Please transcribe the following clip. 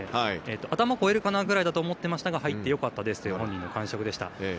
頭を越えるかなくらいかと思っていましたが入ってよかったですという本人の感触でした。